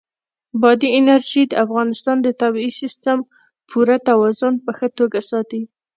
بادي انرژي د افغانستان د طبعي سیسټم پوره توازن په ښه توګه ساتي.